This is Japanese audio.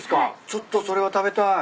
ちょっとそれは食べたい。